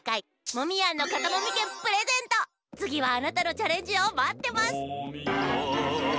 つぎはあなたのチャレンジをまってます！